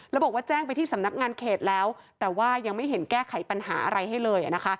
แล้วบอกว่าแจ้งไปที่สำนักงานเขตแล้วแต่ว่ายังไม่เห็นแก้ไขปัญหาอะไรให้เลย